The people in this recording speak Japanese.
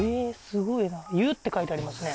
すごいな「ゆ」って書いてありますね